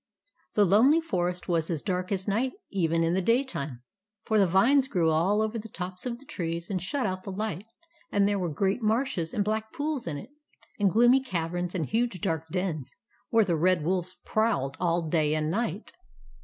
The Lonely Forest was as dark as night even in the daytime ; for the vines grew all over the tops of the trees and shut out the light; and there were great marshes and black pools in it, and gloomy caverns and huge dark dens where the Red Wolves prowled all day and night.